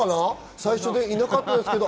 最初いなかったけど。